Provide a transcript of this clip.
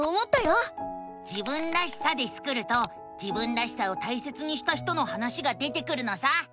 「自分らしさ」でスクると自分らしさを大切にした人の話が出てくるのさ！